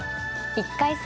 １回戦